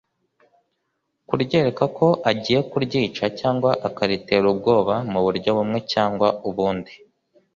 kuryereka ko agiye kuryica cyangwa akaritera ubwoba mu buryo bumwe cyangwa ubundi